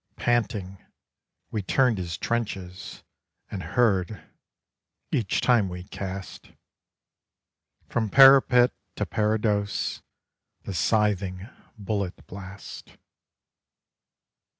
Panting, we turned his trenches; And heard each time we cast From parapet to parados the scything bullet blast.